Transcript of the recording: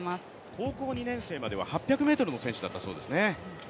高校１年生までは８００ｍの選手だったそうですね。